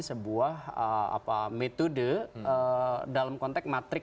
sebuah metode dalam konteks matrik